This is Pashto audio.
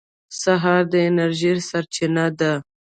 سهار د انرژۍ سرچینه ده.